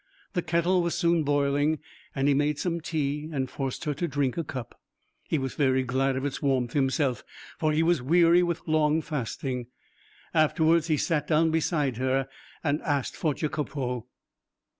The kettle was soon boiling, and he made some tea and forced her to drink a cup. He was very glad of its warmth himself, for he was weary with long fasting. Afterwards he sat down beside her and asked for Jacopo.